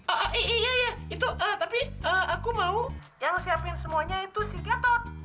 oh iya iya itu tapi aku mau yang siapin semuanya itu si gatot